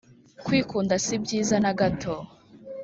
kwikunda sibyiza nagato